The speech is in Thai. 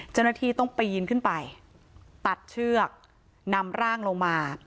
เจ้าหน้าที่ต้องปีนขึ้นไปตัดเชือกนำร่างลงมา